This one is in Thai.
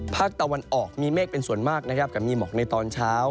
ภาคตะวันออกมีเมฆเป็นส่วนมากนะครับกับมีหมอกในตอนเช้า